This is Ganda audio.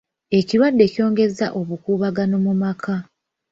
Ekirwadde kyongezza obukuubagano mu maka.